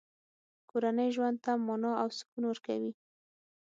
کورنۍ ژوند ته مانا او سکون ورکوي.